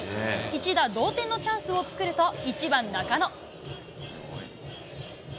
一打同点のチャンスを作ると、１番中野。